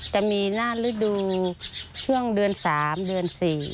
จะมีหน้าฤดูช่วงเดือน๓เดือน๔